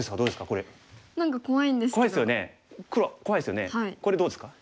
これどうですか？